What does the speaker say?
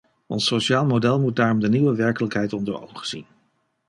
Ons sociaal model moet daarom de nieuwe werkelijkheid onder ogen zien.